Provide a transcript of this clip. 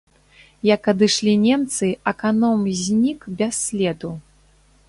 Як адышлі немцы, аканом знік без следу.